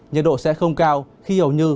nhiệt độ sẽ không cao khi hầu như